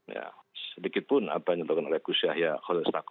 ya sedikit pun apa yang dilakukan oleh khus yahya